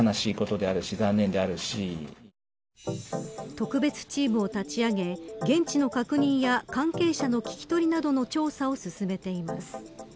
特別チームを立ち上げ現地の確認や関係者の聞き取りなどの調査を進めています。